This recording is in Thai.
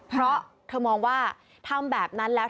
เพราะเธอมองว่าทำแบบนั้นแล้ว